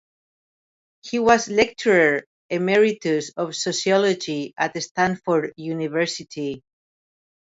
He was Lecturer Emeritus of Sociology at Stanford University.